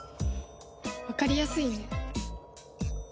わかりやすいね。